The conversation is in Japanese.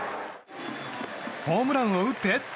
ホームランを打って！